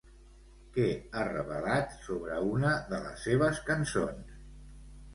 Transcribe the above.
Què ha revelat sobre una de les seves cançons?